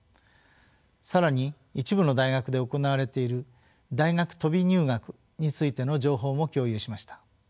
更に一部の大学で行われている大学飛び入学についての情報も共有しました。